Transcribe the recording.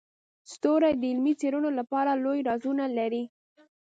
ستوري د علمي څیړنو لپاره لوی رازونه لري.